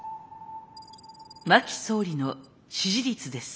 真木総理の支持率です。